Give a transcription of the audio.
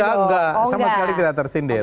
ya enggak sama sekali tidak tersindir